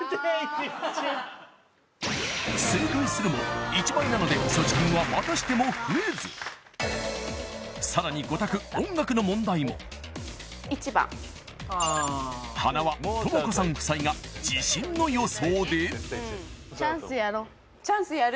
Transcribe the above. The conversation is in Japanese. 正解するも１倍なので所持金はまたしても増えずさらに５択音楽の問題も１番ああはなわ智子さん夫妻が自信の予想でチャンスやる？